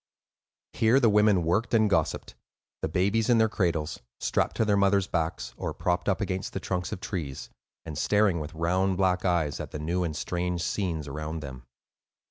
Here the women worked and gossiped,—the babies in their cradles, strapped to their mothers' backs, or propped up against the trunks of trees, and staring with round black eyes at the new and strange scenes around them.